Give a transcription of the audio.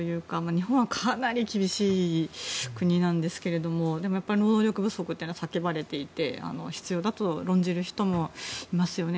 日本はかなり厳しい国なんですけどでも、労働力不足というのは叫ばれていて必要だと論じる人もいますよね。